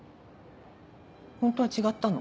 ホントは違ったの？